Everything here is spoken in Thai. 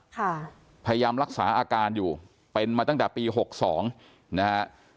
พยายามรักษาอาการอยู่เป็นมาตั้งแต่ปีหกสองนะฮะ